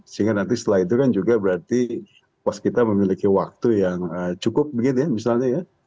sehingga nanti setelah itu kan juga berarti waskita memiliki waktu yang cukup begini ya misalnya ya